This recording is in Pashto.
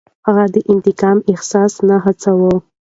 هغه د انتقام احساس نه هڅاوه.